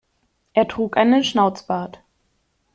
Er trug einen Schnauzbart.